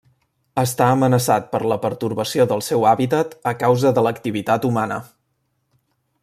Està amenaçat per la pertorbació del seu hàbitat a causa de l'activitat humana.